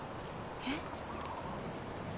えっ？